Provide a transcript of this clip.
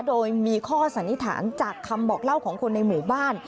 โดยมีข้อสันนิษฐานจากคำบอกเล่าของคนในหมู่บ้าน